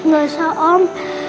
gak usah om